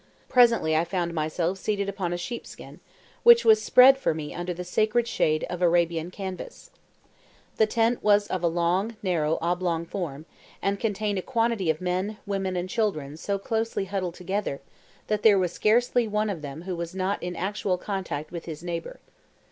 Presently I found myself seated upon a sheepskin, which was spread for me under the sacred shade of Arabian canvas. The tent was of a long, narrow, oblong form, and contained a quantity of men, women, and children so closely huddled together, that there was scarcely one of them who was not in actual contact with his neighbour.